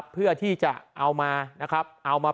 เพื่อที่จะเอามา